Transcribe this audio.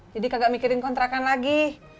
jadi kagak mikirin kontrakan lagi